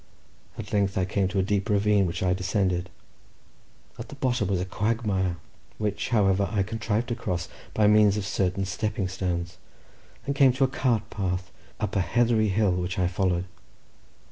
At length I came to a deep ravine, which I descended; at the bottom was a quagmire, which, however, I contrived to cross by means of certain stepping stones, and came to a cart path up a heathery hill, which I followed.